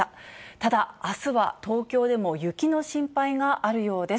ただ、あすは東京でも雪の心配があるようです。